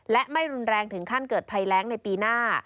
และไม่รุนแรงถึงขั้นเกิดภัยแรงในปีหน้า